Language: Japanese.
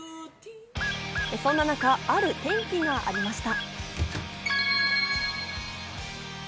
そんな中、ある転機がありました。